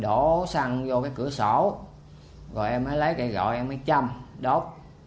đổ xăng vô cái cửa sổ rồi em mới lấy cây gọi em mới chăm đốt